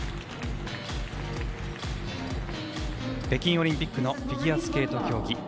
北京オリンピックのフィギュアスケート競技